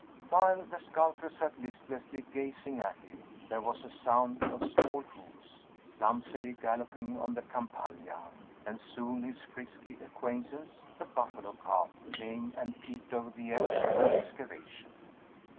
While the sculptor sat listlessly gazing at it, there was a sound of small hoofs, clumsily galloping on the Campagna; and soon his frisky acquaintance, the buffalo calf, came and peeped over the edge of the excavation.